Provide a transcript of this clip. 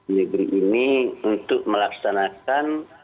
negeri ini untuk melaksanakan